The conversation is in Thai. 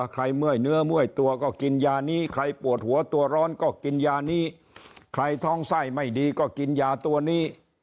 เมื่อยเนื้อเมื่อยตัวก็กินยานี้ใครปวดหัวตัวร้อนก็กินยานี้ใครท้องไส้ไม่ดีก็กินยาตัวนี้